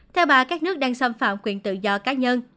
theo bà các nước đang xâm phạm quyền tự do cá nhân